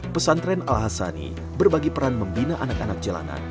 pesantren al hasani berbagi peran membina anak anak jalanan